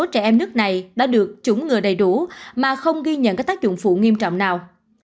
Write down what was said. trẻ em nước này đã được chủng ngừa đầy đủ mà không ghi nhận các tác dụng phụ nghiêm trọng nào